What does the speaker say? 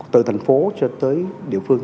từ thành phố cho tới địa phương